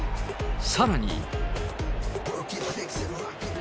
さらに。